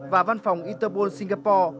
và văn phòng interpol singapore